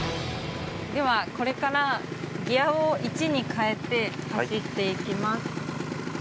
では、これからギアを１に変えて走っていきます。